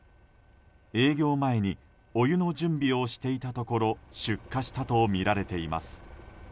営業前にお湯の準備をしていたところ出火したとみられています。